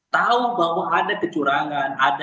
tahu bahwa ada kecurangan